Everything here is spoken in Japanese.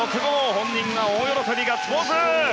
本人は大喜び、ガッツポーズ！